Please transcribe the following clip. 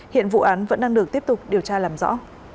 hiện vụ án vẫn đang được tiếp tục điều tra làm rõ